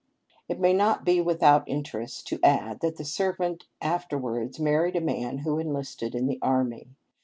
It may not be without interest to add that the servant afterwards married a man who enlisted in the army.